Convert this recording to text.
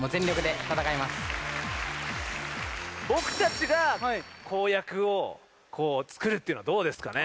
僕たちが公約を作るっていうのはどうですかね？